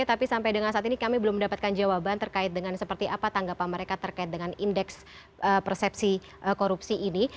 tapi sampai dengan saat ini kami belum mendapatkan jawaban terkait dengan seperti apa tanggapan mereka terkait dengan indeks persepsi korupsi ini